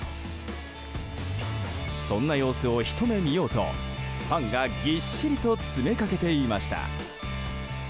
そんな様子をひと目見ようとファンがぎっしりと詰めかけていました。